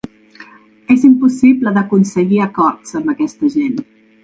És impossible d’aconseguir acords amb aquesta gent.